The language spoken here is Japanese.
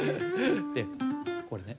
でこれね。